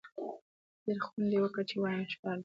ډېر خوند یې وکړ، چې وایم شپاړس.